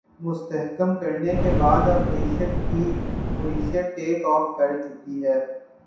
مستحکم کرنے کے بعد اب معیشت ٹیک آف کر چکی ہے